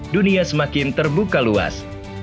dunia semakin terbuka luas